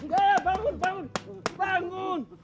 gaya bangun bangun bangun